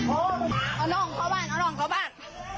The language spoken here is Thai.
เอาน้องเข้าบ้านเอาน้องเข้าบ้าน